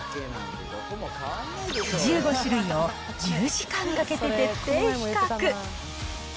１５種類を１０時間かけて徹底比較。